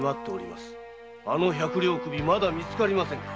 まだ百両首は見つかりませんか？